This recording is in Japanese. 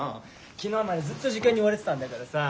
昨日までずっと時間に追われてたんだからさ。